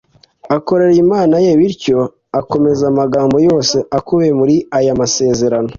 akorera Imana ye bityo akomeze amagambo yose akubiye muri aya masezerano